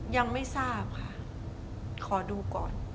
ยังไม่ทราบค่ะขอดูก่อน